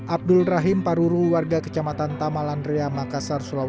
abdul rahim paruru warga kecamatan tamalandria makassar surabaya